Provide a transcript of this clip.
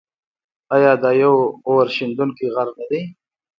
آیا دا یو اورښیندونکی غر نه دی؟